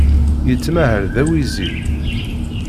Yettmahal d awizi.